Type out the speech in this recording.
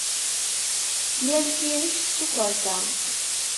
Yal tirect s ukwerfa.